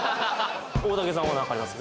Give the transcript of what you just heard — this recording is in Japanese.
大竹さんはなんかあります？